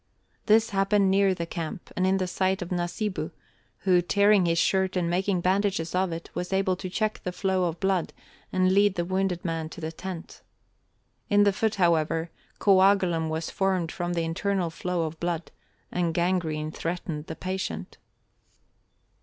This happened near the camp and in the sight of Nasibu, who, tearing his shirt and making bandages of it, was able to check the flow of blood and lead the wounded man to the tent. In the foot, however, coagulum was formed from the internal flow of blood and gangrene threatened the patient.